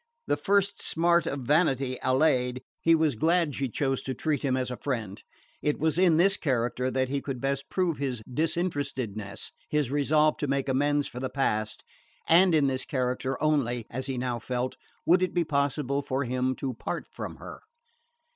The first smart of vanity allayed, he was glad she chose to treat him as a friend. It was in this character that he could best prove his disinterestedness, his resolve to make amends for the past; and in this character only as he now felt would it be possible for him to part from her.